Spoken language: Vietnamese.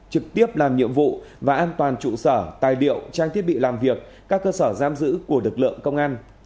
trực tiếp làm nhiệm vụ và an toàn trụ sở tài liệu trang thiết bị làm việc các cơ sở giam giữ của lực lượng công an